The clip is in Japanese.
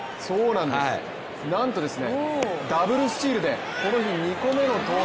なんと、ダブルスチールでこの日２個目の盗塁。